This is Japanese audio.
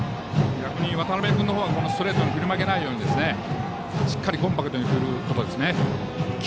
逆に渡辺君のほうはストレートに振り負けないようにしっかりコンパクトに振ること。